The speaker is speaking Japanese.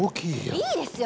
いいですよ